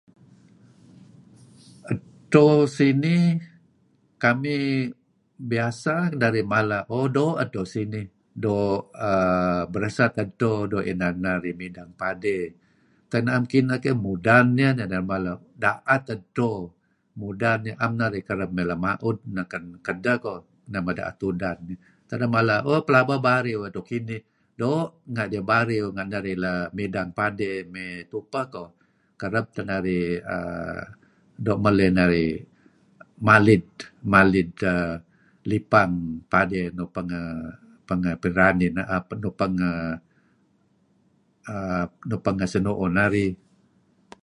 Edto sinih... kamih biasa narih mala o... doo' edto sinih. Doo' aah beresat edto doo' inan narih midang padey. Tak na'em kineh keyh, mudan nieh. Neh neh narih mala da'et edo. Mudan ieh. 'Em narih kereb emey lema'ud neh kedeh ko' neh meda'et udan. Tak 'deh mala o pelaba bariw edto kinih. Doo' nga' bariw nga' narih leh midang padey mey tupeh ko'. Kereb teh narih ...aah doo' meley narih malid ... malid aah lipang padey nuk pengeh, pengeh pinranih...pengeh aah nuk pengeh aah pengeh senu'uh narih.